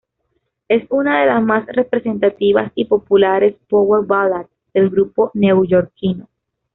Es una de las más representativas y populares power ballads del grupo neoyorquino.